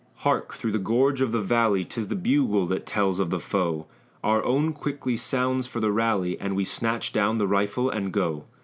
Hark! through the gorge of the valley, 'Tis the bugle that tells of the foe; Our own quickly sounds for the rally, And we snatch down the rifle and go.